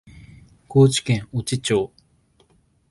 高知県越知町